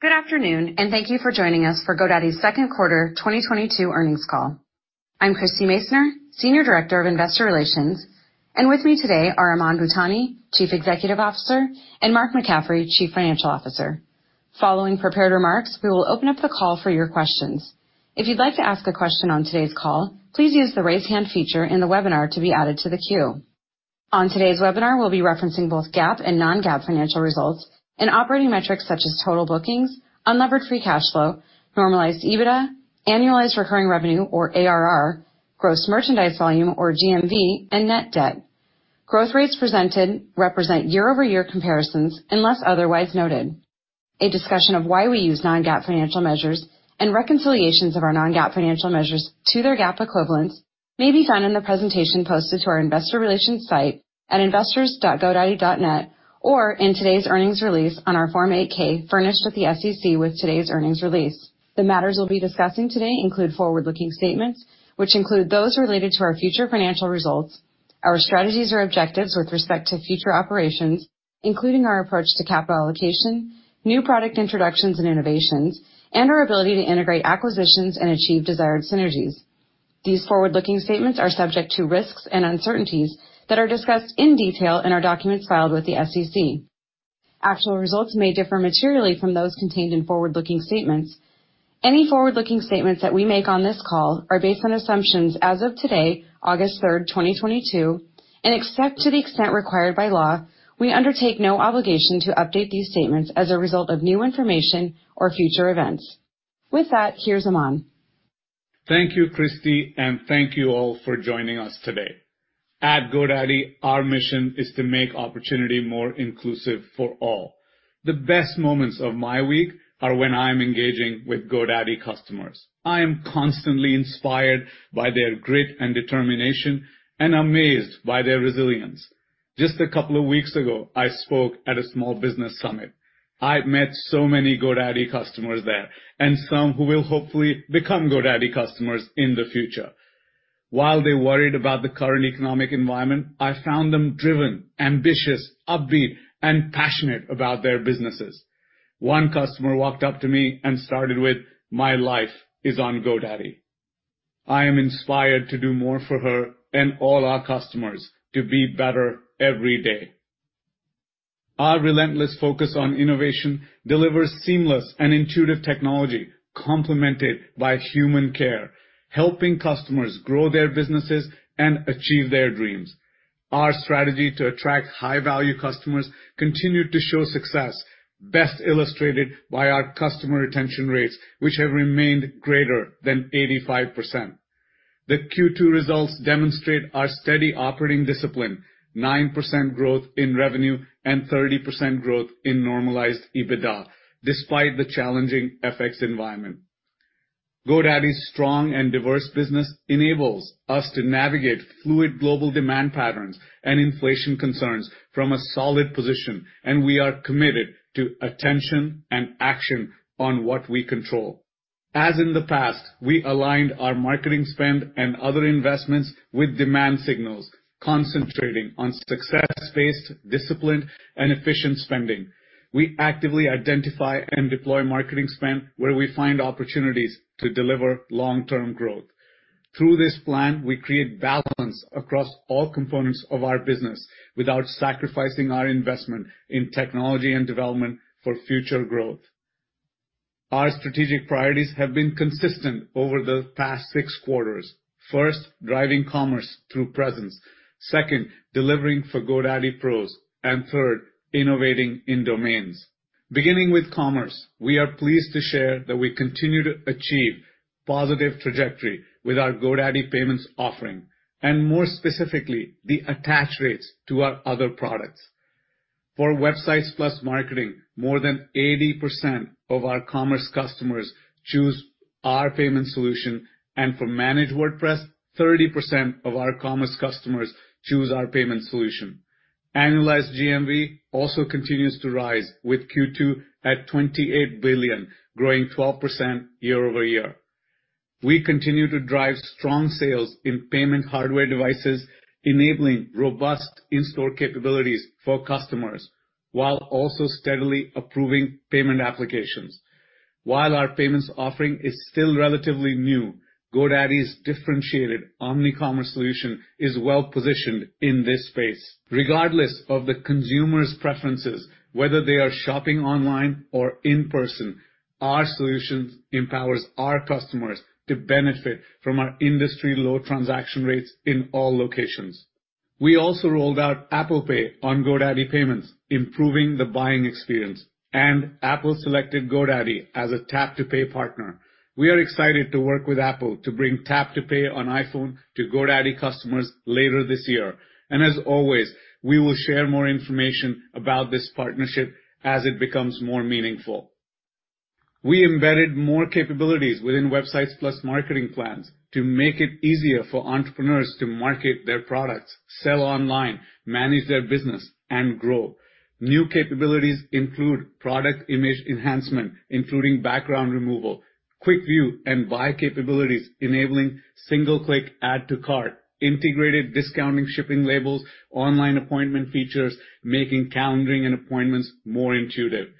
Good afternoon, and thank you for joining us for GoDaddy's second quarter 2022 earnings call. I'm Christie Masoner, Senior Director of Investor Relations, and with me today are Aman Bhutani, Chief Executive Officer, and Mark McCaffrey, Chief Financial Officer. Following prepared remarks, we will open up the call for your questions. If you'd like to ask a question on today's call, please use the Raise Hand feature in the webinar to be added to the queue. On today's webinar, we'll be referencing both GAAP and non-GAAP financial results and operating metrics such as total bookings, unlevered free cash flow, normalized EBITDA, annualized recurring revenue or ARR, gross merchandise volume or GMV, and net debt. Growth rates presented represent year-over-year comparisons unless otherwise noted. A discussion of why we use non-GAAP financial measures and reconciliations of our non-GAAP financial measures to their GAAP equivalents may be found in the presentation posted to our investor relations site at investors dot GoDaddy dot net or in today's earnings release on our Form 8-K furnished to the SEC. The matters we'll be discussing today include forward-looking statements which include those related to our future financial results, our strategies or objectives with respect to future operations, including our approach to capital allocation, new product introductions and innovations, and our ability to integrate acquisitions and achieve desired synergies. These forward-looking statements are subject to risks and uncertainties that are discussed in detail in our documents filed with the SEC. Actual results may differ materially from those contained in forward-looking statements. Any forward-looking statements that we make on this call are based on assumptions as of today, August 3rd ,2022, and except to the extent required by law, we undertake no obligation to update these statements as a result of new information or future events. With that, here's Aman Bhutani. Thank you, Christie, and thank you all for joining us today. At GoDaddy, our mission is to make opportunity more inclusive for all. The best moments of my week are when I'm engaging with GoDaddy customers. I am constantly inspired by their grit and determination and amazed by their resilience. Just a couple of weeks ago, I spoke at a small business summit. I met so many GoDaddy customers there, and some who will hopefully become GoDaddy customers in the future. While they worried about the current economic environment, I found them driven, ambitious, upbeat, and passionate about their businesses. One customer walked up to me and started with, "My life is on GoDaddy." I am inspired to do more for her and all our customers to be better every day. Our relentless focus on innovation delivers seamless and intuitive technology complemented by human care, helping customers grow their businesses and achieve their dreams. Our strategy to attract high-value customers continued to show success, best illustrated by our customer retention rates, which have remained greater than 85%. The Q2 results demonstrate our steady operating discipline, 9% growth in revenue and 30% growth in normalized EBITDA, despite the challenging FX environment. GoDaddy's strong and diverse business enables us to navigate fluid global demand patterns and inflation concerns from a solid position, and we are committed to attention and action on what we control. As in the past, we aligned our marketing spend and other investments with demand signals, concentrating on success-based discipline and efficient spending. We actively identify and deploy marketing spend where we find opportunities to deliver long-term growth. Through this plan, we create balance across all components of our business without sacrificing our investment in technology and development for future growth. Our strategic priorities have been consistent over the past six quarters. First, driving commerce through presence. Second, delivering for GoDaddy Pros. And third, innovating in domains. Beginning with commerce, we are pleased to share that we continue to achieve positive trajectory with our GoDaddy Payments offering and more specifically, the attach rates to our other products. For Websites + Marketing, more than 80% of our commerce customers choose our payment solution, and for Managed WordPress, 30% of our commerce customers choose our payment solution. Annualized GMV also continues to rise, with Q2 at $28 billion, growing 12% year-over-year. We continue to drive strong sales in payment hardware devices, enabling robust in-store capabilities for customers while also steadily approving payment applications. While our payments offering is still relatively new, GoDaddy's differentiated omnicommerce solution is well positioned in this space. Regardless of the consumer's preferences, whether they are shopping online or in person, our solutions empowers our customers to benefit from our industry-low transaction rates in all locations. We also rolled out Apple Pay on GoDaddy Payments, improving the buying experience, and Apple selected GoDaddy as a Tap to Pay partner. We are excited to work with Apple to bring Tap to Pay on iPhone to GoDaddy customers later this year. As always, we will share more information about this partnership as it becomes more meaningful. We embedded more capabilities within Websites + Marketing plans to make it easier for entrepreneurs to market their products, sell online, manage their business, and grow. New capabilities include product image enhancement, including background removal. Quick view and buy capabilities enabling single-click add to cart, integrated discounted shipping labels, online appointment features, making calendaring and appointments more intuitive.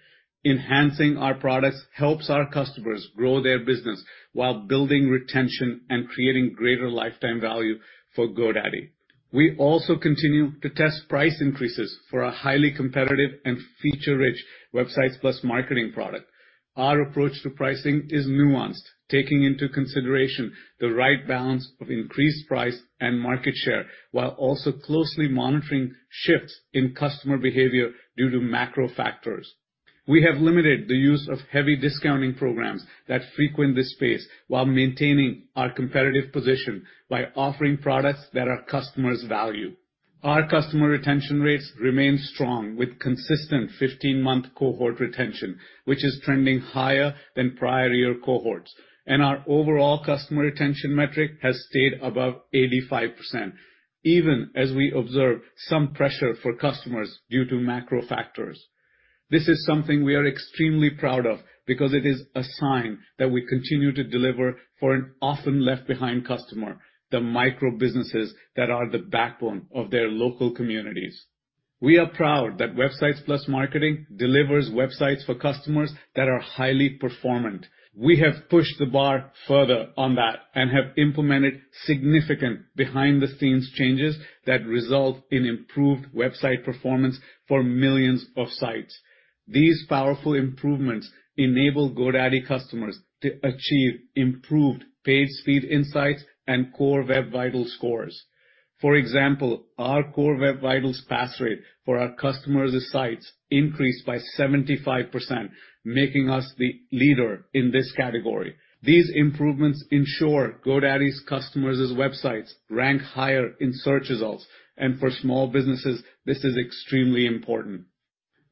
Enhancing our products helps our customers grow their business while building retention and creating greater lifetime value for GoDaddy. We also continue to test price increases for our highly competitive and feature-rich Websites + Marketing product. Our approach to pricing is nuanced, taking into consideration the right balance of increased price and market share, while also closely monitoring shifts in customer behavior due to macro factors. We have limited the use of heavy discounting programs that frequent this space while maintaining our competitive position by offering products that our customers value. Our customer retention rates remain strong with consistent 15-month cohort retention, which is trending higher than prior year cohorts. Our overall customer retention metric has stayed above 85%, even as we observe some pressure for customers due to macro factors. This is something we are extremely proud of because it is a sign that we continue to deliver for an often left behind customer, the micro-businesses that are the backbone of their local communities. We are proud that Websites + Marketing delivers websites for customers that are highly performant. We have pushed the bar further on that and have implemented significant behind-the-scenes changes that result in improved website performance for millions of sites. These powerful improvements enable GoDaddy customers to achieve improved PageSpeed Insights and Core Web Vitals scores. For example, our Core Web Vitals pass rate for our customers' sites increased by 75%, making us the leader in this category. These improvements ensure GoDaddy's customers' websites rank higher in search results, and for small businesses, this is extremely important.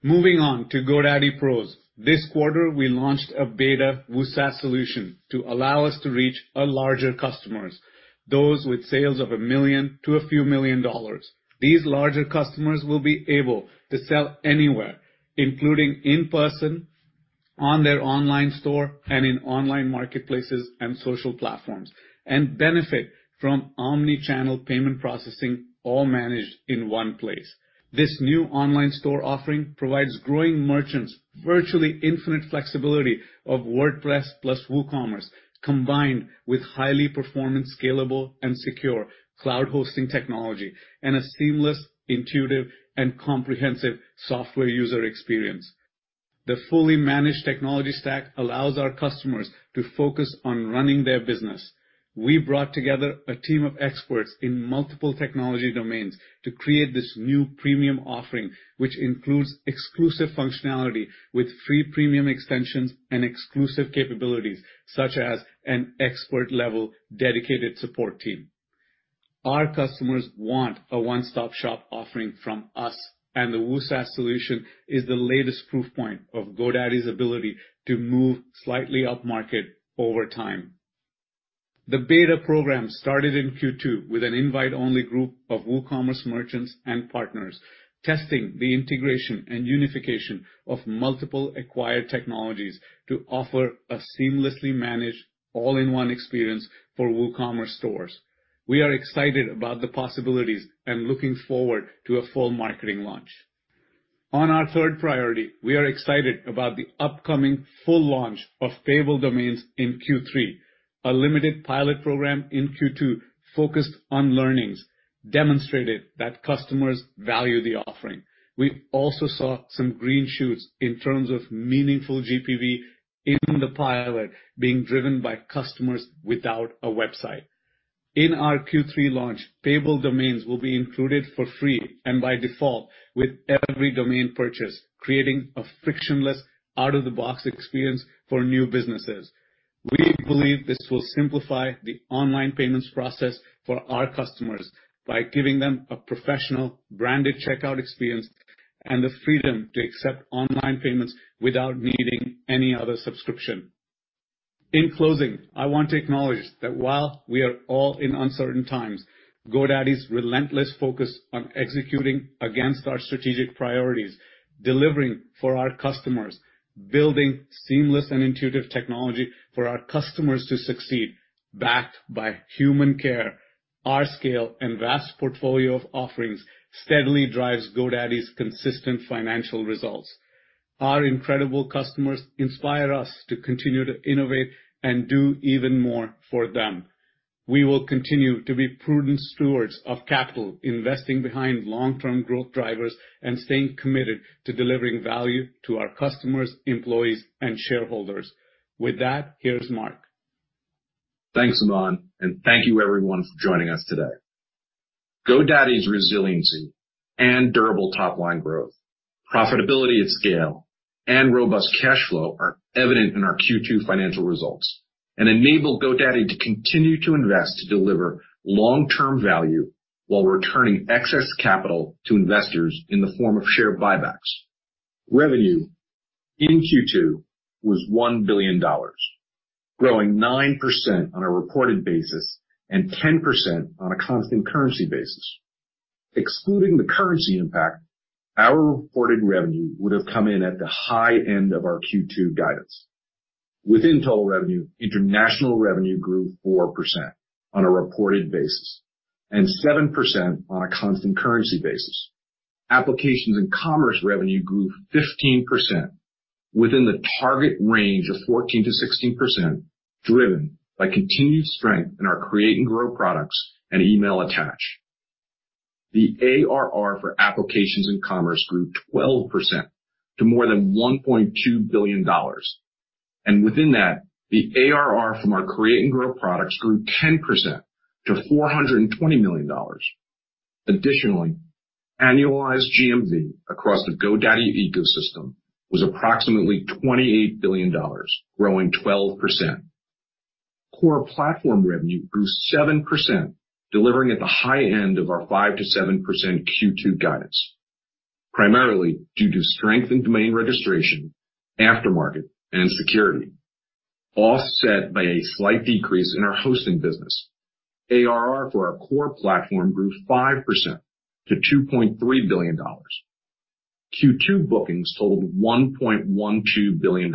Moving on to GoDaddy Pros. This quarter, we launched a beta WooSaaS solution to allow us to reach our larger customers, those with sales of $1 million to a few million dollars. These larger customers will be able to sell anywhere, including in person, on their online store, and in online marketplaces and social platforms, and benefit from omni-channel payment processing all managed in one place. This new online store offering provides growing merchants virtually infinite flexibility of WordPress plus WooCommerce, combined with highly performant, scalable, and secure cloud hosting technology and a seamless, intuitive, and comprehensive software user experience. The fully managed technology stack allows our customers to focus on running their business. We brought together a team of experts in multiple technology domains to create this new premium offering, which includes exclusive functionality with free premium extensions and exclusive capabilities such as an expert-level dedicated support team. Our customers want a one-stop-shop offering from us, and the WooSaaS solution is the latest proof point of GoDaddy's ability to move slightly upmarket over time. The beta program started in Q2 with an invite-only group of WooCommerce merchants and partners, testing the integration and unification of multiple acquired technologies to offer a seamlessly managed all-in-one experience for WooCommerce stores. We are excited about the possibilities and looking forward to a full marketing launch. On our third priority, we are excited about the upcoming full launch of Payable Domains in Q3. A limited pilot program in Q2 focused on learnings, demonstrated that customers value the offering. We also saw some green shoots in terms of meaningful GPV in the pilot being driven by customers without a website. In our Q3 launch, Payable Domains will be included for free and by default with every domain purchase, creating a frictionless out-of-the-box experience for new businesses. We believe this will simplify the online payments process for our customers by giving them a professional branded checkout experience and the freedom to accept online payments without needing any other subscription. In closing, I want to acknowledge that while we are all in uncertain times, GoDaddy's relentless focus on executing against our strategic priorities, delivering for our customers, building seamless and intuitive technology for our customers to succeed, backed by human care, our scale, and vast portfolio of offerings, steadily drives GoDaddy's consistent financial results. Our incredible customers inspire us to continue to innovate and do even more for them. We will continue to be prudent stewards of capital, investing behind long-term growth drivers, and staying committed to delivering value to our customers, employees, and shareholders. With that, here's Mark. Thanks, Aman, and thank you everyone for joining us today. GoDaddy's resiliency and durable top-line growth, profitability at scale, and robust cash flow are evident in our Q2 financial results and enable GoDaddy to continue to invest to deliver long-term value while returning excess capital to investors in the form of share buybacks. Revenue in Q2 was $1 billion, growing 9% on a reported basis and 10% on a constant currency basis. Excluding the currency impact, our reported revenue would have come in at the high end of our Q2 guidance. Within total revenue, international revenue grew 4% on a reported basis and 7% on a constant currency basis. Applications & Commerce revenue grew 15% within the target range of 14%-16%, driven by continued strength in our create-and-grow products and email attachments. The ARR for applications and commerce grew 12% to more than $1.2 billion. Within that, the ARR from our create-and-grow products grew 10% to $420 million. Additionally, annualized GMV across the GoDaddy ecosystem was approximately $28 billion, growing 12%. Core platform revenue grew 7%, delivering at the high end of our 5%-7% Q2 guidance, primarily due to strength in domain registration, aftermarket, and security, offset by a slight decrease in our hosting business. ARR for our core platform grew 5% to $2.3 billion. Q2 bookings totaled $1.12 billion,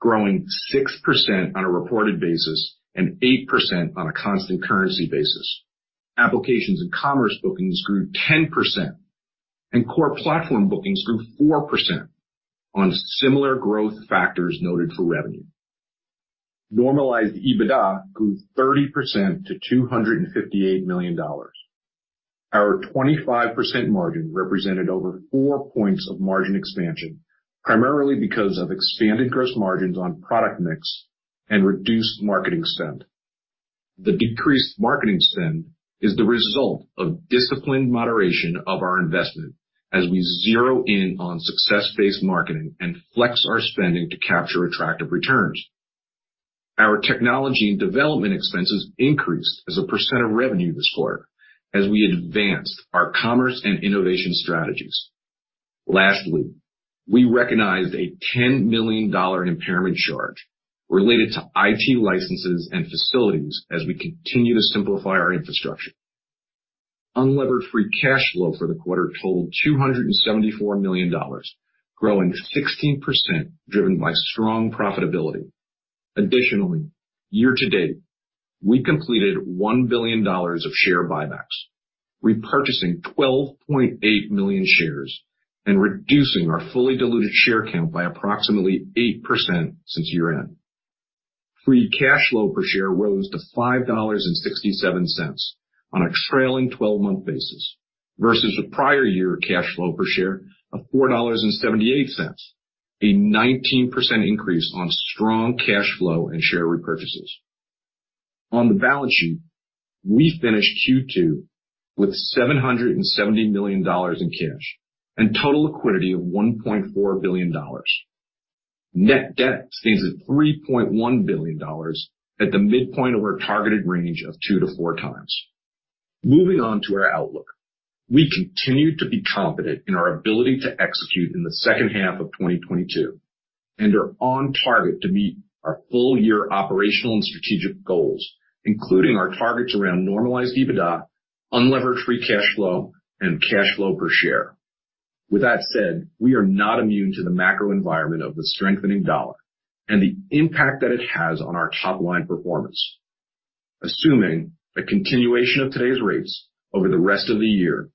growing 6% on a reported basis and 8% on a constant currency basis. Applications and commerce bookings grew 10%, and core platform bookings grew 4% on similar growth factors noted for revenue. Normalized EBITDA grew 30% to $258 million. Our 25% margin represented over 4 points of margin expansion, primarily because of expanded gross margins on product mix and reduced marketing spend. The decreased marketing spend is the result of disciplined moderation of our investment as we zero in on success-based marketing and flex our spending to capture attractive returns. Our technology and development expenses increased as a percent of revenue this quarter as we advanced our commerce and innovation strategies. Lastly, we recognized a $10 million impairment charge related to IT licenses and facilities as we continue to simplify our infrastructure. Unlevered free cash flow for the quarter totaled $274 million, growing 16% driven by strong profitability. Additionally, year-to-date, we completed $1 billion of share buybacks, repurchasing 12.8 million shares, and reducing our fully diluted share count by approximately 8% since year-end. Free cash flow per share rose to $5.67 on a trailing 12 month basis versus the prior year cash flow per share of $4.78, a 19% increase on strong cash flow and share repurchases. On the balance sheet, we finished Q2 with $770 million in cash and total liquidity of $1.4 billion. Net debt stands at $3.1 billion at the midpoint of our targeted range of 2x-4x. Moving on to our outlook. We continue to be confident in our ability to execute in the second half of 2022 and are on target to meet our full year operational and strategic goals, including our targets around normalized EBITDA, unlevered free cash flow, and cash flow per share. With that said, we are not immune to the macro environment of the strengthening dollar and the impact that it has on our top-line performance. Assuming a continuation of today's rates over the rest of the year,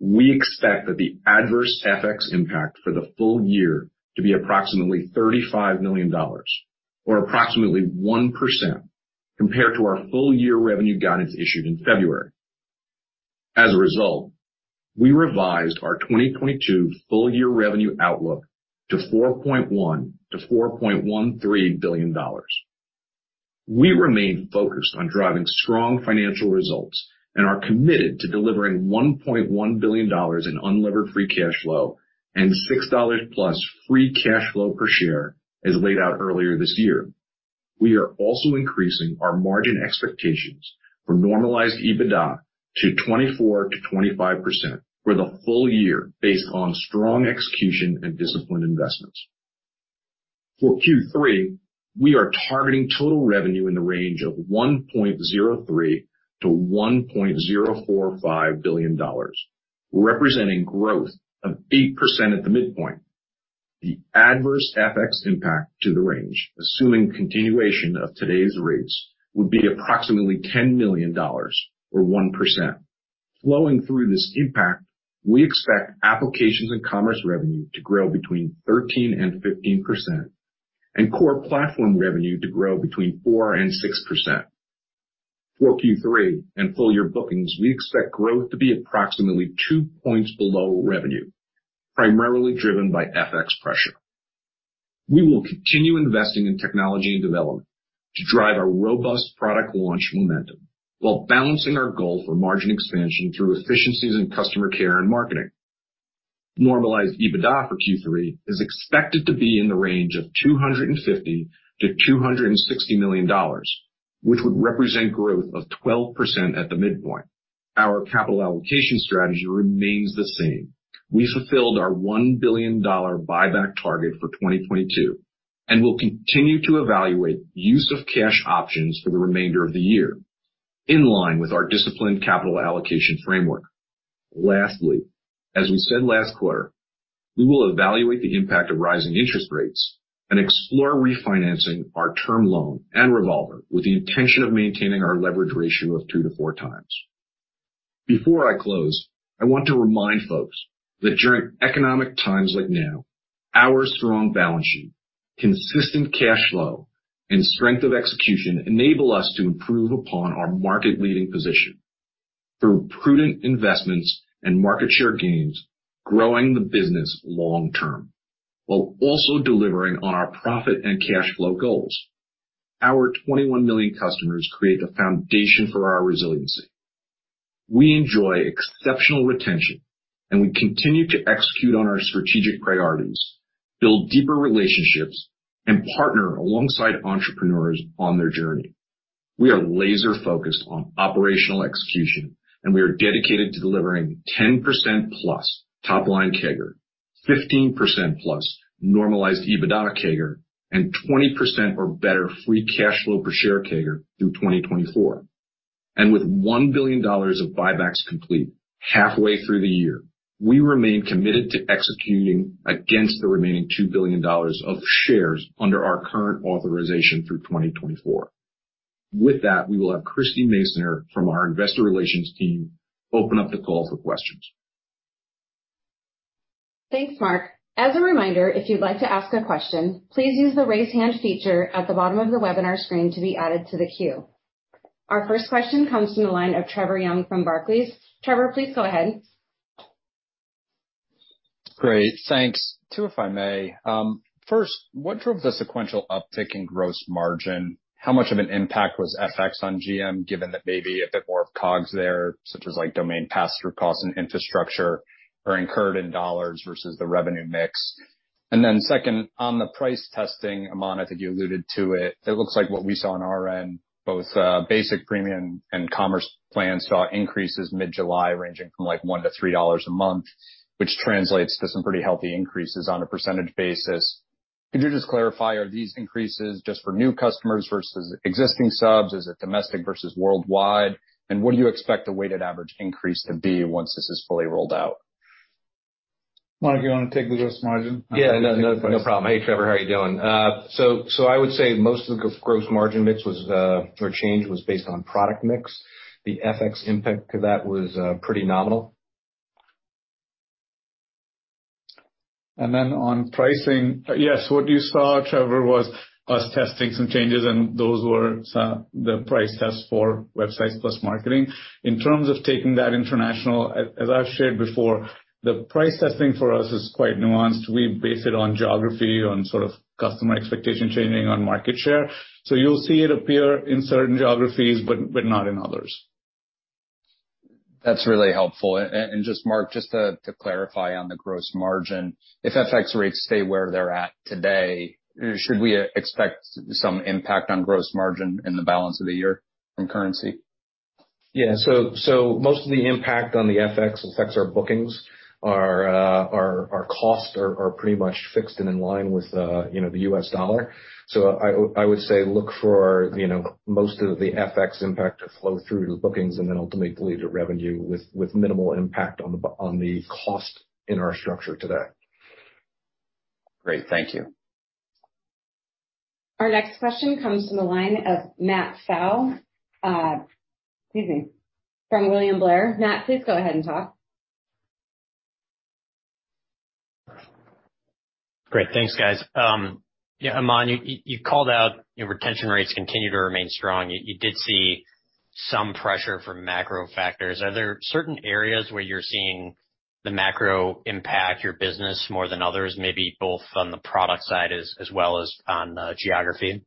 we expect that the adverse FX impact for the full year to be approximately $35 million or approximately 1% compared to our full year revenue guidance issued in February. As a result, we revised our 2022 full year revenue outlook to $4.1 billion-$4.13 billion. We remain focused on driving strong financial results and are committed to delivering $1.1 billion in unlevered free cash flow and $6+ free cash flow per share as laid out earlier this year. We are also increasing our margin expectations from normalized EBITDA to 24%-25% for the full year based on strong execution and disciplined investments. For Q3, we are targeting total revenue in the range of $1.03 billion-$1.045 billion, representing growth of 8% at the midpoint. The adverse FX impact to the range, assuming continuation of today's rates, would be approximately $10 million or 1%. Flowing through this impact, we expect applications and commerce revenue to grow between 13% and 15% and core platform revenue to grow between 4% and 6%. For Q3 and full year bookings, we expect growth to be approximately 2 points below revenue, primarily driven by FX pressure. We will continue investing in technology and development to drive our robust product launch momentum while balancing our goal for margin expansion through efficiencies in customer care and marketing. Normalized EBITDA for Q3 is expected to be in the range of $250 million-$260 million, which would represent growth of 12% at the midpoint. Our capital allocation strategy remains the same. We fulfilled our $1 billion buyback target for 2022. We'll continue to evaluate use of cash options for the remainder of the year in line with our disciplined capital allocation framework. Lastly, as we said last quarter, we will evaluate the impact of rising interest rates and explore refinancing our term loan and revolver with the intention of maintaining our leverage ratio of 2-4x. Before I close, I want to remind folks that during economic times like now, our strong balance sheet, consistent cash flow, and strength of execution enable us to improve upon our market-leading position through prudent investments and market share gains, growing the business long term, while also delivering on our profit and cash flow goals. Our 21 million customers create the foundation for our resiliency. We enjoy exceptional retention, and we continue to execute on our strategic priorities, build deeper relationships, and partner alongside entrepreneurs on their journey. We are laser focused on operational execution, and we are dedicated to delivering 10%+ top-line CAGR, 15%+ normalized EBITDA CAGR, and 20% or better free cash flow per share CAGR through 2024. With $1 billion of buybacks complete halfway through the year, we remain committed to executing against the remaining $2 billion of shares under our current authorization through 2024. With that, we will have Christie Masoner from our investor relations team open up the call for questions. Thanks, Mark. As a reminder, if you'd like to ask a question, please use the Raise Hand feature at the bottom of the webinar screen to be added to the queue. Our first question comes from the line of Trevor Young from Barclays. Trevor, please go ahead. Great. Thanks. Two, if I may. First, what drove the sequential uptick in gross margin? How much of an impact was FX on GM, given that maybe a bit more of COGS there, such as like domain pass-through costs and infrastructure are incurred in U.S. dollars versus the revenue mix. Second, on the price testing, Aman, I think you alluded to it. It looks like what we saw on our end, both basic premium and Commerce plans saw increases mid-July, ranging from like $1-$3 a month, which translates to some pretty healthy increases on a percentage basis. Could you just clarify, are these increases just for new customers versus existing subs? Is it domestic versus worldwide? What do you expect the weighted average increase to be once this is fully rolled out? Mark, you wanna take the gross margin? Yeah. No problem. Hey, Trevor. How are you doing? So I would say most of the gross margin mix or change was based on product mix. The FX impact to that was pretty nominal. On pricing, yes, what you saw, Trevor, was us testing some changes, and those were some of the price tests for Websites + Marketing. In terms of taking that international, as I've shared before, the price testing for us is quite nuanced. We base it on geography, on sort of customer expectation changing on market share. You'll see it appear in certain geographies but not in others. That's really helpful. Just Mark, just to clarify on the gross margin, if FX rates stay where they're at today, should we expect some impact on gross margin in the balance of the year in currency? Yeah. Most of the impact on the FX affects our bookings. Our costs are pretty much fixed and in line with, you know, the U.S. dollar. I would say look for, you know, most of the FX impact to flow through to bookings and then ultimately to revenue with minimal impact on the cost in our structure today. Great. Thank you. Our next question comes from the line of Matt Pfau, excuse me, from William Blair. Matt, please go ahead and talk. Great. Thanks, guys. Yeah, Aman, you called out your retention rates continue to remain strong. You did see some pressure from macro factors. Are there certain areas where you're seeing the macro impact your business more than others, maybe both on the product side as well as on the geography?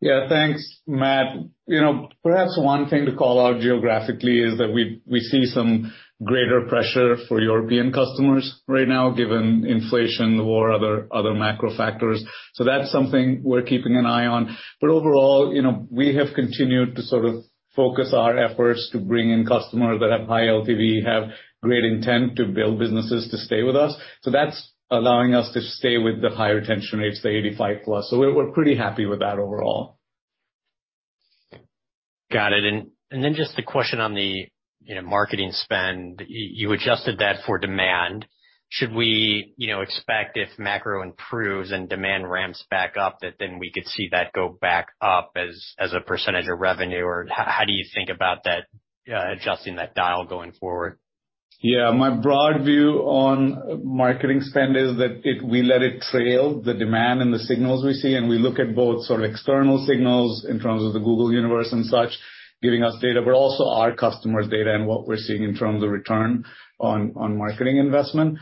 Yeah. Thanks, Matt. You know, perhaps one thing to call out geographically is that we see some greater pressure for European customers right now given inflation, the war, other macro factors. That's something we're keeping an eye on. Overall, you know, we have continued to sort of focus our efforts to bring in customers that have high LTV, have great intent to build businesses to stay with us. That's allowing us to stay with the higher retention rates, the 85%+. We're pretty happy with that overall. Got it. Just a question on the, you know, marketing spend. You adjusted that for demand. Should we, you know, expect if macro improves and demand ramps back up, that then we could see that go back up as a percentage of revenue? Or how do you think about that, adjusting that dial going forward? Yeah. My broad view on marketing spend is that we let it trail the demand and the signals we see, and we look at both sort of external signals in terms of the Google universe and such, giving us data, but also our customers' data and what we're seeing in terms of return on marketing investment.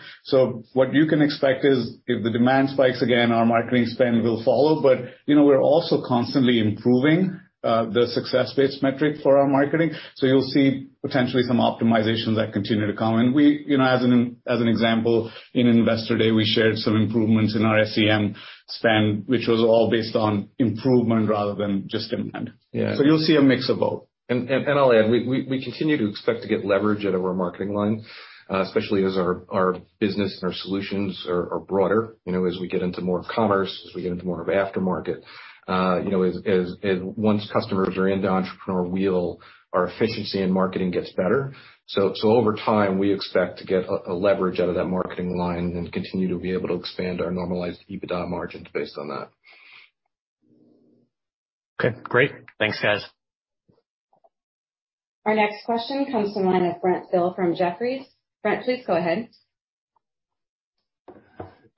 What you can expect is if the demand spikes again, our marketing spend will follow. You know, we're also constantly improving the success-based metric for our marketing. You'll see potentially some optimizations that continue to come. We, you know, as an example, in Investor Day, we shared some improvements in our SEM spend, which was all based on improvement rather than just demand. Yeah. You'll see a mix of both. I'll add, we continue to expect to get leverage out of our marketing line, especially as our business and our solutions are broader, you know, as we get into more of commerce, as we get into more of aftermarket. You know, as once customers are in the Entrepreneur's Wheel, our efficiency in marketing gets better. Over time, we expect to get a leverage out of that marketing line and continue to be able to expand our normalized EBITDA margins based on that. Okay, great. Thanks, guys. Our next question comes from the line of Brent Thill from Jefferies. Brent, please go ahead.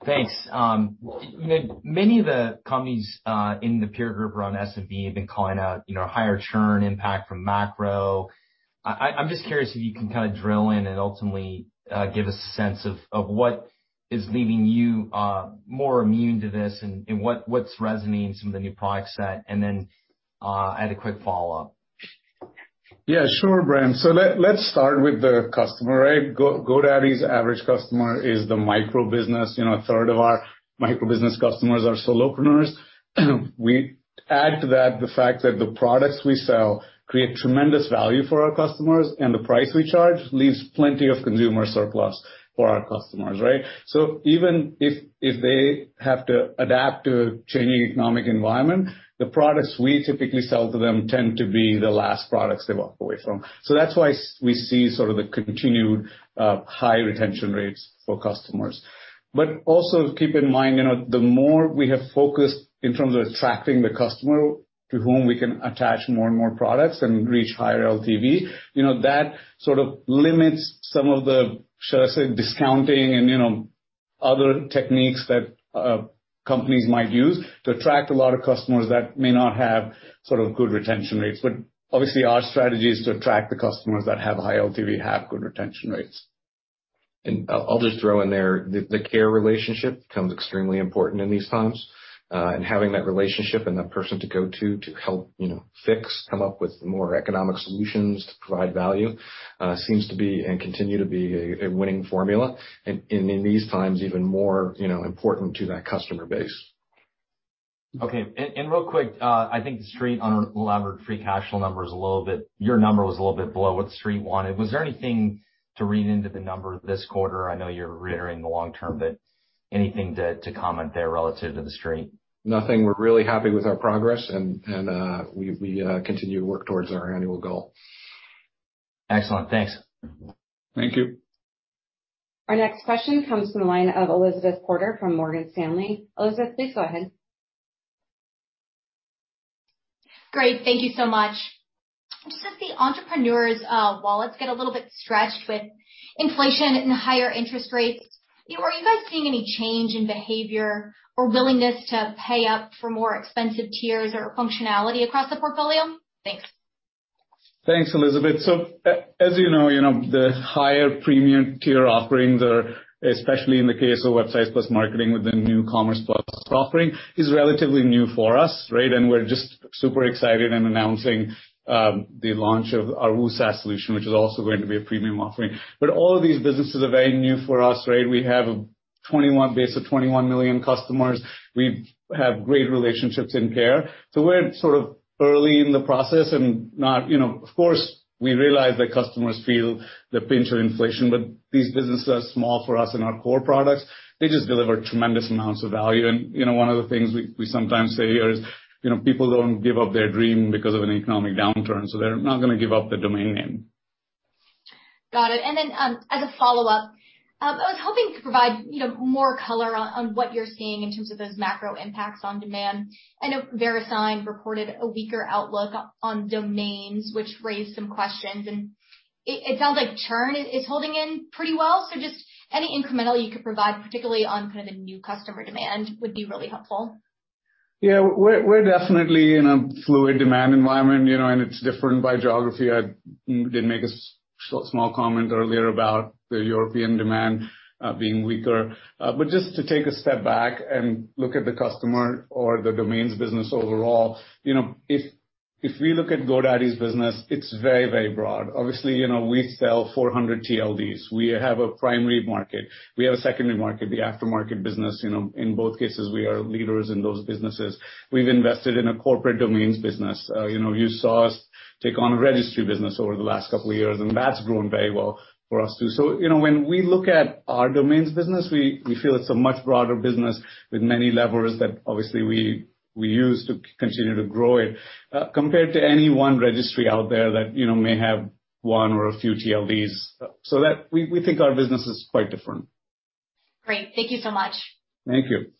Thanks. Many of the companies in the peer group around SMB have been calling out, you know, higher churn impact from macro. I'm just curious if you can kind of drill in and ultimately give a sense of what is leaving you more immune to this and what's resonating some of the new product set. I had a quick follow-up. Yeah, sure, Brent. Let's start with the customer, right? GoDaddy's average customer is the micro-business. You know, 1/3 of our micro-business customers are solopreneurs. We add to that the fact that the products we sell create tremendous value for our customers, and the price we charge leaves plenty of consumer surplus for our customers, right? Even if they have to adapt to a changing economic environment, the products we typically sell to them tend to be the last products they walk away from. That's why we see sort of the continued high retention rates for customers. keep in mind, you know, the more we have focused in terms of attracting the customer to whom we can attach more and more products and reach higher LTV, you know, that sort of limits some of the, shall I say, discounting and, you know, other techniques that companies might use to attract a lot of customers that may not have sort of good retention rates. Obviously, our strategy is to attract the customers that have high LTV, have good retention rates. I'll just throw in there the care relationship becomes extremely important in these times, and having that relationship and that person to go to help, you know, fix, come up with more economic solutions to provide value, seems to be and continue to be a winning formula. In these times, even more, you know, important to that customer base. Real quick, I think the Street on unlevered free cash flow number is a little bit. Your number was a little bit below what the Street wanted. Was there anything to read into the number this quarter? I know you're reiterating the long term, but anything to comment there relative to the Street? Nothing. We're really happy with our progress and we continue to work towards our annual goal. Excellent. Thanks. Thank you. Our next question comes from the line of Elizabeth Porter from Morgan Stanley. Elizabeth, please go ahead. Great. Thank you so much. Just as the entrepreneurs' wallets get a little bit stretched with inflation and higher interest rates, are you guys seeing any change in behavior or willingness to pay up for more expensive tiers or functionality across the portfolio? Thanks. Thanks, Elizabeth. You know, you know, the higher premium tier offerings are, especially in the case of Websites + Marketing with the new Commerce Plus offering, is relatively new for us, right? We're just super excited in announcing the launch of our WooSaaS solution, which is also going to be a premium offering. All of these businesses are very new for us, right? We have a 21 base of 21 million customers. We have great relationships in care. We're sort of early in the process and not, you know, of course, we realize that customers feel the pinch of inflation, but these businesses are small for us in our core products. They just deliver tremendous amounts of value. You know, one of the things we sometimes say here is, you know, people don't give up their dream because of an economic downturn, so they're not gonna give up their domain name. Got it. As a follow-up, I was hoping to provide, you know, more color on what you're seeing in terms of those macro impacts on demand. I know Verisign reported a weaker outlook on domains, which raised some questions. It sounds like churn is holding in pretty well. Just any incremental you could provide, particularly on kind of the new customer demand, would be really helpful. Yeah. We're definitely in a fluid demand environment, you know, and it's different by geography. I did make a small comment earlier about the European demand being weaker. Just to take a step back and look at the customer or the domains business overall, you know, if we look at GoDaddy's business, it's very broad. Obviously, you know, we sell 400 TLDs. We have a primary market. We have a secondary market, the aftermarket business. You know, in both cases, we are leaders in those businesses. We've invested in a corporate domains business. You know, you saw us take on a registry business over the last couple of years, and that's grown very well for us too. You know, when we look at our domains business, we feel it's a much broader business with many levers that obviously we use to continue to grow it, compared to any one registry out there that, you know, may have one or a few TLDs that we think our business is quite different. Great. Thank you so much. Thank you.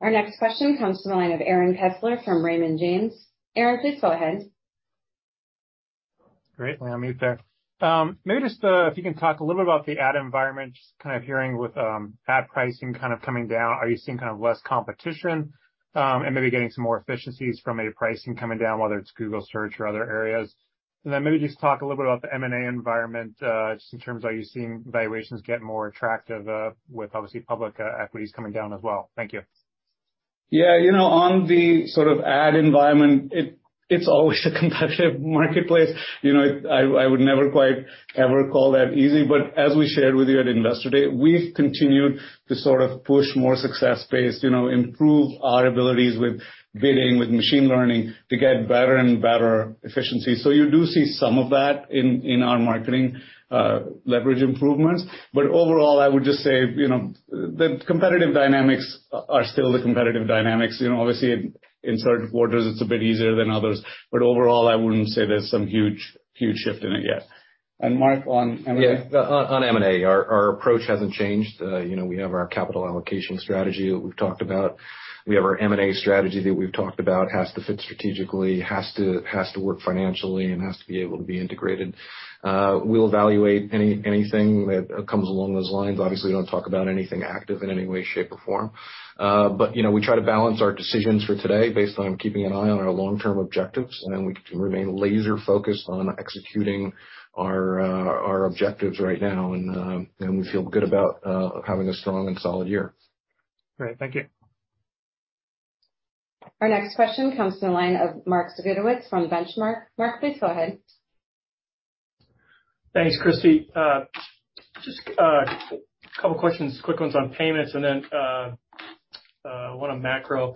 Our next question comes from the line of Aaron Kessler from Raymond James. Aaron, please go ahead. Great. Let me unmute there. Maybe just if you can talk a little bit about the ad environment, just kind of hearing with ad pricing kind of coming down. Are you seeing kind of less competition and maybe getting some more efficiencies from a pricing coming down, whether it's Google Search or other areas? Maybe just talk a little bit about the M&A environment, just in terms of are you seeing valuations get more attractive with obviously public equities coming down as well? Thank you. Yeah, you know, on the sort of ad environment, it's always a competitive marketplace. You know, I would never quite ever call that easy. As we shared with you at Investor Day, we've continued to sort of push more success-based, you know, improve our abilities with bidding, with machine learning to get better and better efficiency. You do see some of that in our marketing leverage improvements. Overall, I would just say, you know, the competitive dynamics are still the competitive dynamics. You know, obviously, in certain quarters, it's a bit easier than others. Overall, I wouldn't say there's some huge shift in it yet. Mark on M&A? Yeah, on M&A. Our approach hasn't changed. You know, we have our capital allocation strategy that we've talked about. We have our M&A strategy that we've talked about. Has to fit strategically, has to work financially, and has to be able to be integrated. We'll evaluate anything that comes along those lines. Obviously, we don't talk about anything active in any way, shape, or form. But you know, we try to balance our decisions for today based on keeping an eye on our long-term objectives, and then we remain laser focused on executing our objectives right now. We feel good about having a strong and solid year. Great. Thank you. Our next question comes from the line of Mark Zgutowicz from Benchmark. Mark, please go ahead. Thanks, Christie. Just a couple questions, quick ones on payments and then one on macro.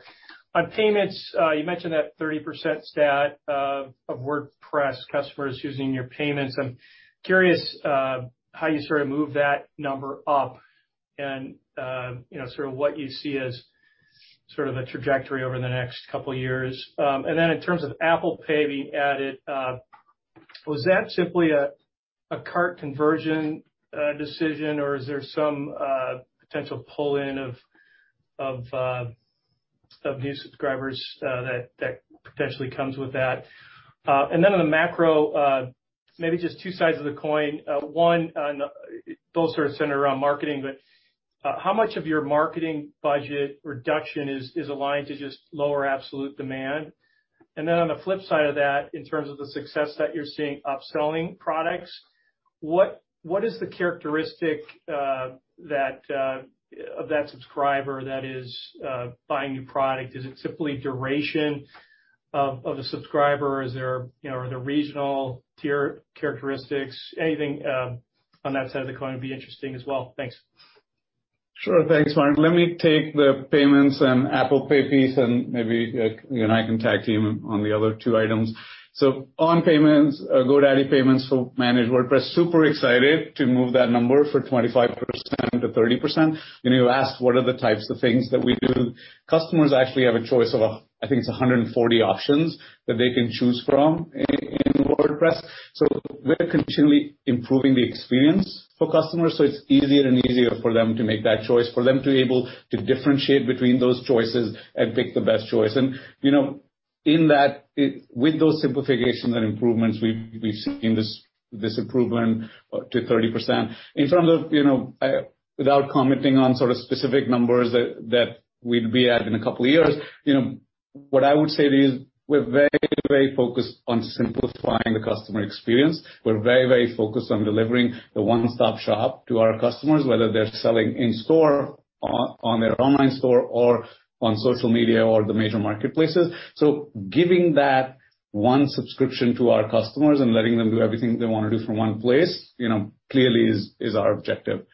On payments, you mentioned that 30% stat of WordPress customers using your payments. I'm curious how you sort of move that number up and you know sort of what you see as sort of the trajectory over the next couple of years. And then in terms of Apple Pay being added, was that simply a cart conversion decision, or is there some potential pull-in of new subscribers that potentially comes with that? And then on the macro, maybe just two sides of the coin. Both are centered around marketing, but how much of your marketing budget reduction is aligned to just lower absolute demand? Then on the flip side of that, in terms of the success that you're seeing upselling products, what is the characteristic of that subscriber that is buying new product? Is it simply duration of the subscriber? Is there, you know, are there regional tier characteristics? Anything on that side of the coin would be interesting as well. Thanks. Sure. Thanks, Mark. Let me take the payments and Apple Pay piece, and maybe you and I can tag team on the other two items. On payments, GoDaddy Payments for Managed WordPress, super excited to move that number from 25% to 30%. You know, you asked what are the types of things that we do. Customers actually have a choice of, I think it's 140 options that they can choose from in WordPress. We're continually improving the experience for customers, so it's easier and easier for them to make that choice, for them to be able to differentiate between those choices and pick the best choice. You know, in that with those simplifications and improvements, we've seen this improvement to 30%. In terms of, you know, without commenting on sort of specific numbers that we'd be at in a couple of years, you know, what I would say is we're very, very focused on simplifying the customer experience. We're very, very focused on delivering the one-stop-shop to our customers, whether they're selling in store, on their online store or on social media or the major marketplaces. Giving that one subscription to our customers and letting them do everything they wanna do from one place, you know, clearly is our objective.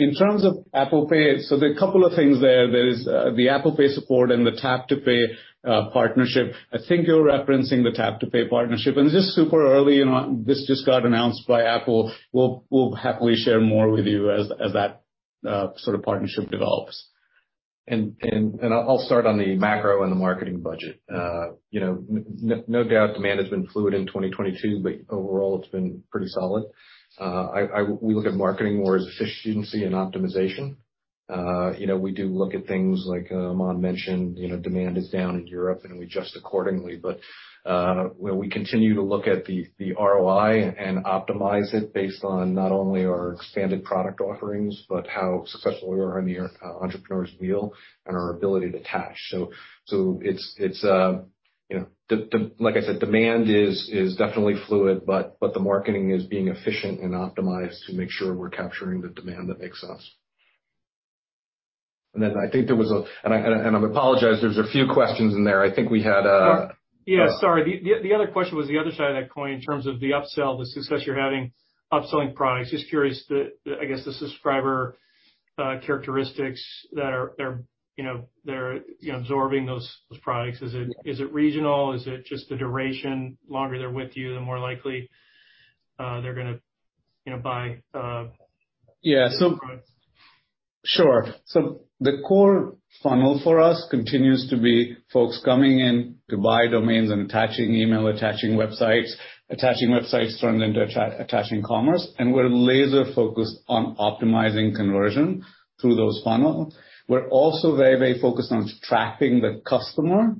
In terms of Apple Pay, there are a couple of things there. There is the Apple Pay support and the Tap to Pay partnership. I think you're referencing the Tap to Pay partnership, and it's just super early. You know, this just got announced by Apple. We'll happily share more with you as that sort of partnership develops. I'll start on the macro and the marketing budget. You know, no doubt demand has been fluid in 2022, but overall it's been pretty solid. We look at marketing more as efficiency and optimization. You know, we do look at things like, Aman mentioned, you know, demand is down in Europe, and we adjust accordingly. Where we continue to look at the ROI and optimize it based on not only our expanded product offerings, but how successful we are on the Entrepreneur's Wheel and our ability to attach. It's, you know, like I said, demand is definitely fluid, but the marketing is being efficient and optimized to make sure we're capturing the demand that makes us. Then I think there was a... I apologize, there's a few questions in there. I think we had. Yeah, sorry. The other question was the other side of that coin in terms of the upsell, the success you're having upselling products. Just curious, I guess, the subscriber characteristics that are, you know, they're, you know, absorbing those products. Is it regional? Is it just the duration, longer they're with you, the more likely, they're gonna, you know, buy products? The core funnel for us continues to be folks coming in to buy domains and attaching email, attaching websites, attaching commerce, and we're laser focused on optimizing conversion through those funnel. We're also very, very focused on tracking the customer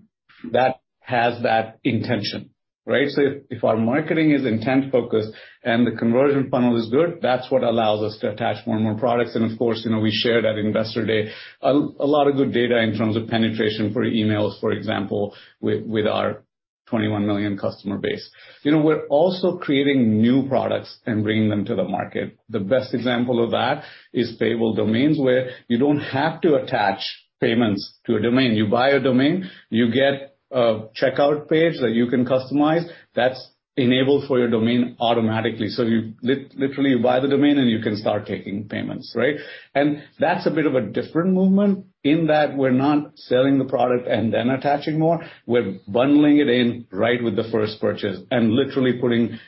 that has that intention, right? If our marketing is intent focused and the conversion funnel is good, that's what allows us to attach more and more products. Of course, you know, we shared at Investor Day a lot of good data in terms of penetration for emails, for example, with our 21 million customer base. You know, we're also creating new products and bringing them to the market. The best example of that is Payable Domains, where you don't have to attach payments to a domain. You buy a domain, you get a checkout page that you can customize that's enabled for your domain automatically. You literally buy the domain, and you can start taking payments, right? That's a bit of a different movement in that we're not selling the product and then attaching more. We're bundling it in right with the first purchase and literally putting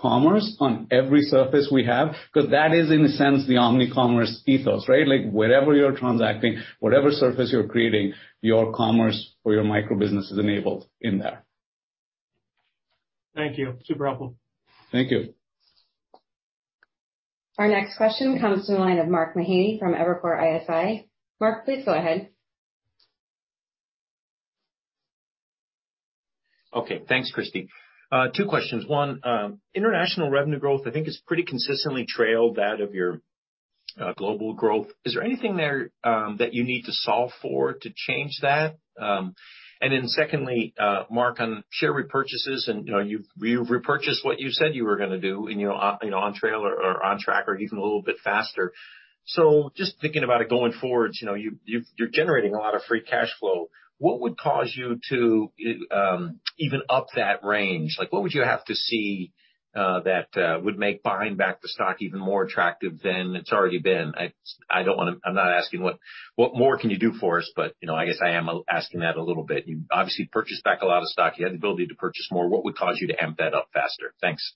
commerce on every surface we have because that is, in a sense, the omnicommerce ethos, right? Like, wherever you're transacting, whatever surface you're creating, your commerce or your micro business is enabled in there. Thank you. Super helpful. Thank you. Our next question comes from the line of Mark Mahaney from Evercore ISI. Mark, please go ahead. Okay. Thanks, Christie. Two questions. One, international revenue growth I think has pretty consistently trailed that of your global growth. Is there anything there that you need to solve for to change that? Secondly, Mark, on share repurchases and, you know, you've repurchased what you said you were gonna do and, you know, on track or even a little bit faster. Just thinking about it going forward, you know, you're generating a lot of free cash flow. What would cause you to even up that range? Like, what would you have to see that would make buying back the stock even more attractive than it's already been? I don't wanna... I'm not asking what more can you do for us, but you know, I guess I am asking that a little bit. You obviously purchased back a lot of stock. You had the ability to purchase more. What would cause you to amp that up faster? Thanks.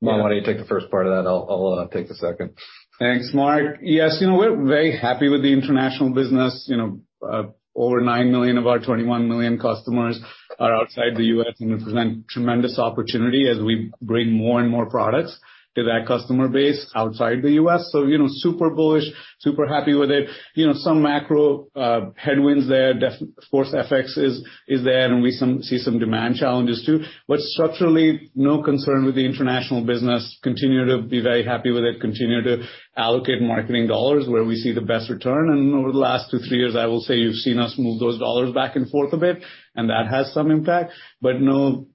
Mark, why don't you take the first part of that? I'll take the second. Thanks, Mark. Yes, you know, we're very happy with the international business. You know, over 9 million of our 21 million customers are outside the U.S. and represent tremendous opportunity as we bring more and more products to that customer base outside the U.S. You know, super bullish, super happy with it. You know, some macro headwinds there. Of course, FX is there, and we see some demand challenges too. But structurally, no concern with the international business. Continue to be very happy with it, continue to allocate marketing dollars where we see the best return. Over the last two, three years, I will say you've seen us move those dollars back and forth a bit, and that has some impact. But no.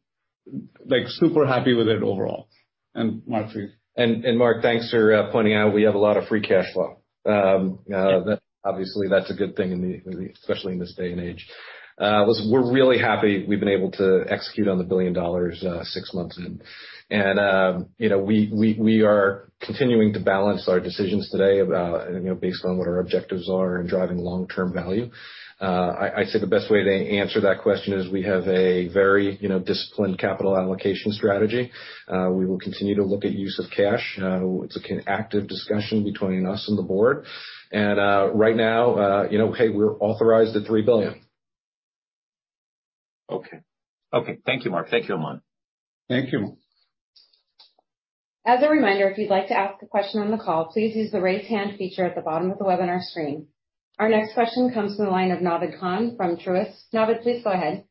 Like, super happy with it overall. Mark, to you. Mark, thanks for pointing out we have a lot of free cash flow. That obviously that's a good thing, especially in this day and age. Listen, we're really happy we've been able to execute on the $1 billion, six months in. You know, we are continuing to balance our decisions today, you know, based on what our objectives are in driving long-term value. I'd say the best way to answer that question is we have a very, you know, disciplined capital allocation strategy. We will continue to look at use of cash. It's an active discussion between us and the board. Right now, you know, hey, we're authorized at $3 billion. Okay. Thank you, Mark. Thank you, Aman. Thank you. As a reminder, if you'd like to ask a question on the call, please use the Raise Hand feature at the bottom of the webinar screen. Our next question comes from the line of Naved Khan from Truist. Naved, please go ahead.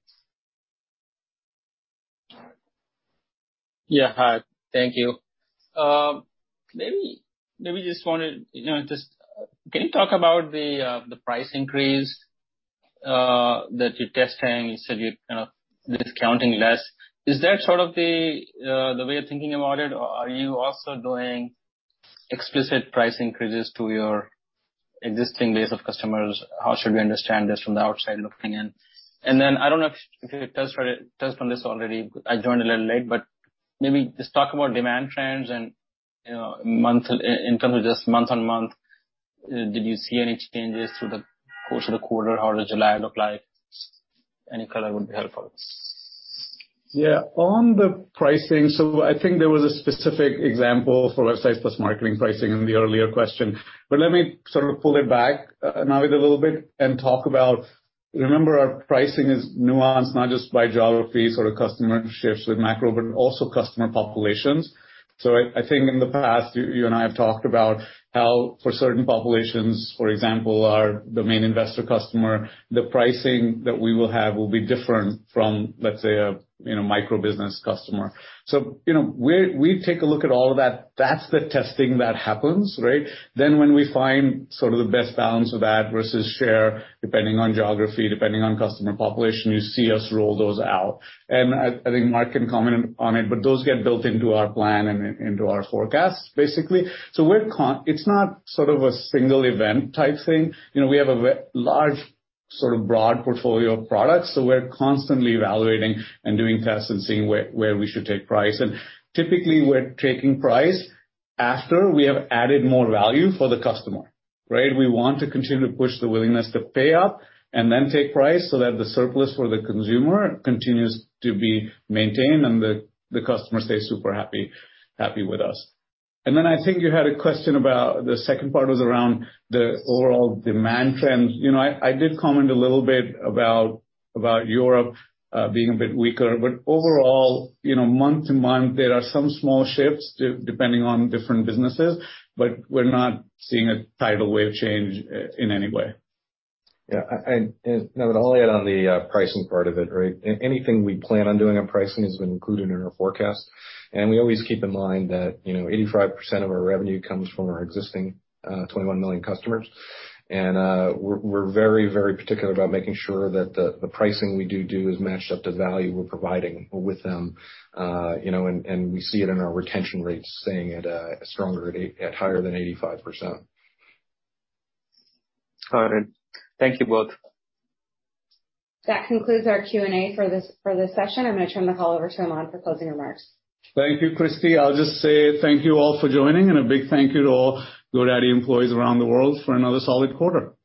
Yeah. Hi. Thank you. Maybe just wanted, you know, just. Can you talk about the price increase that you're testing? You said you're kind of discounting less. Is that sort of the way of thinking about it, or are you also doing explicit price increases to your existing base of customers? How should we understand this from the outside looking in? I don't know if you touched on this already. I joined a little late, but maybe just talk about demand trends and, you know, in terms of just month-over-month, did you see any changes through the course of the quarter? How does July look like? Any color would be helpful. Yeah. On the pricing, I think there was a specific example for Websites + Marketing pricing in the earlier question. Let me sort of pull it back, Naved, a little bit and talk about, remember, our pricing is nuanced, not just by geography, sort of customer shifts with macro, but also customer populations. I think in the past, you and I have talked about how for certain populations, for example, our domain investor customer, the pricing that we will have will be different from, let's say, a you know, microbusiness customer. You know, we take a look at all of that. That's the testing that happens, right? When we find sort of the best balance of ad versus share, depending on geography, depending on customer population, you see us roll those out. I think Mark can comment on it, but those get built into our plan and into our forecast, basically. It's not sort of a single event type thing. You know, we have a large, sort of broad portfolio of products, so we're constantly evaluating and doing tests and seeing where we should take price. Typically, we're taking price after we have added more value for the customer, right? We want to continue to push the willingness to pay up and then take price so that the surplus for the consumer continues to be maintained and the customer stays super happy with us. Then I think you had a question about the second part was around the overall demand trends. You know, I did comment a little bit about Europe being a bit weaker. Overall, you know, month to month, there are some small shifts depending on different businesses, but we're not seeing a tidal wave change in any way. Yeah. Naved, I'll add on the pricing part of it, right? Anything we plan on doing on pricing has been included in our forecast, and we always keep in mind that, you know, 85% of our revenue comes from our existing 21 million customers. We're very, very particular about making sure that the pricing we do is matched up to value we're providing with them, you know, and we see it in our retention rates staying stronger at higher than 85%. Got it. Thank you both. That concludes our Q&A for this session. I'm gonna turn the call over to Aman for closing remarks. Thank you, Christie. I'll just say thank you all for joining, and a big thank you to all GoDaddy employees around the world for another solid quarter.